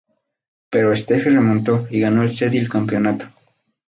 Pero Steffi remontó y ganó el set y el campeonato.